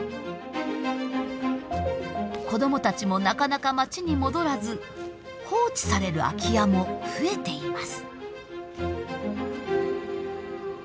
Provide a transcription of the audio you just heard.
子どもたちもなかなか町に戻らず放置される空き家も増えています。